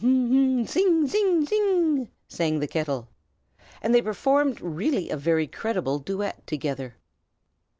"Hm! hm! tsing! tsing! tsing!" sang the kettle. And they performed really a very creditable duet together.